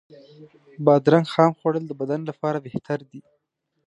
بادرنګ خام خوړل د بدن لپاره بهتر دی.